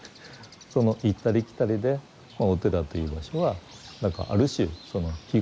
その行ったり来たりでお寺という場所は何かある種日頃のですね